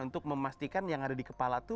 untuk memastikan yang ada di kepala itu